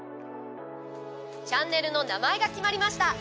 チャンネルの名前が決まりました。